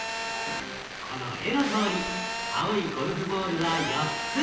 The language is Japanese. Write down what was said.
この絵のとおり青いゴルフボールは４つ。